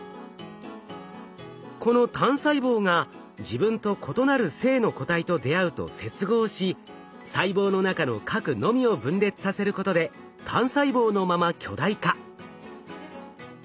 この単細胞が自分と異なる性の個体と出会うと接合し細胞の中の核のみを分裂させることで単細胞のまま巨大化。